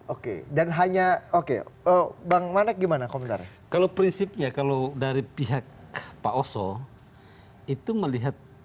oke dan hanya oke bang manak gimana komentarnya kalau prinsipnya kalau dari pihak pak oso itu melihat